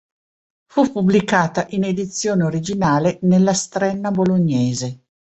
Fu pubblicata in edizione originale nella "Strenna bolognese.